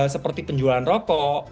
seperti penjualan rokok